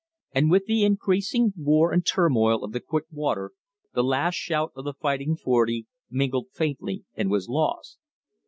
And with the increasing war and turmoil of the quick water the last shout of the Fighting Forty mingled faintly and was lost.